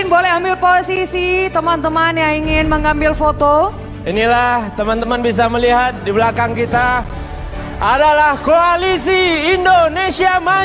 bapak sekjen ludwig